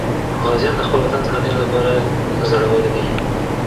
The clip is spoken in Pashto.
غازیان د خپل وطن د ساتنې لپاره زړور دي.